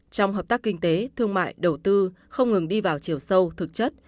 trong hợp tác kinh tế thương mại đầu tư không ngừng đi vào chiều sâu thực chất